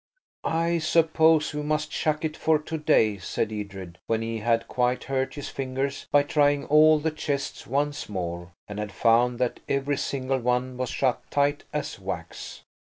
"I suppose we must chuck it for to day," said Edred, when he had quite hurt his fingers by trying all the chests once more, and had found that every single one was shut tight as wax.